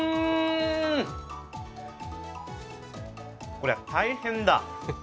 これ、大変だ。